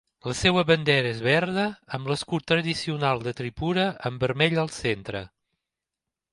La seva bandera és verda amb l'escut tradicional de Tripura amb vermell al centre.